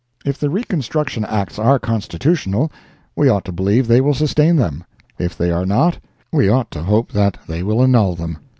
If the Reconstruction Acts are Constitutional, we ought to believe they will sustain them; if they are not, we ought to hope they will annul them.